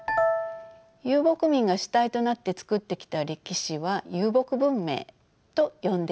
遊牧民が主体となって作ってきた歴史は「遊牧文明」と呼んでよいでしょう。